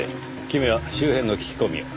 君は周辺の聞き込みを。